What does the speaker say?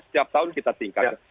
setiap tahun kita tingkatkan